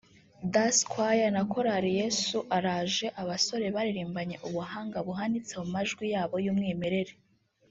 Das choir na korali Yesu Araje abasore baririmbanye ubuhanga buhanitse mu majwi yabo y'umwimerere